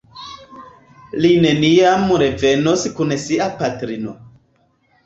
Li neniam revenos kun sia patrino.